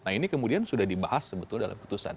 nah ini kemudian sudah dibahas sebetulnya dalam putusan